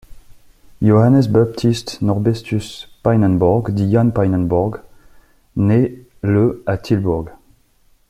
Johannes Baptist Norbertus Pijnenborg, dit Jan Pijnenburg, naît le à Tilburg.